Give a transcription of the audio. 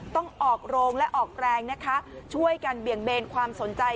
ต้องออกโรงและออกแรงนะคะช่วยกันเบี่ยงเบนความสนใจ